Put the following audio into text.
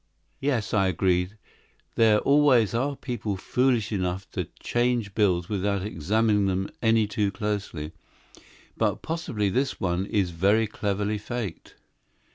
"Yes," I agreed, "there always are people foolish enough to change bills without examining them any too closely. But possibly this one is very cleverly faked."